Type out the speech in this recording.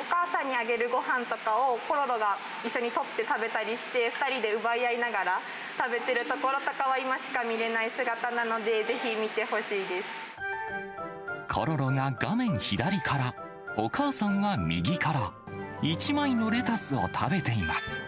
お母さんにあげるごはんとかを、コロロが一緒に取って食べたりして、２人で奪い合いながら食べてるところとかは、今しか見れない姿なので、ぜひ見てほしいでコロロが画面左から、お母さんが右から、１枚のレタスを食べています。